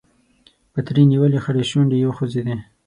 پتري نيولې خړې شونډې يې وخوځېدې.